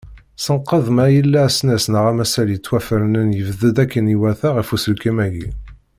Senqed ma yella asnas neɣ amasal yettwafernen yebded akken iwata ɣef uselkim-agi.